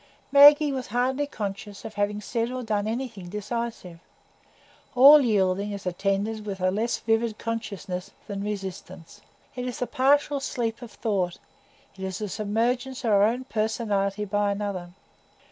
Maggie was hardly conscious of having said or done anything decisive. All yielding is attended with a less vivid consciousness than resistance; it is the partial sleep of thought; it is the submergence of our own personality by another.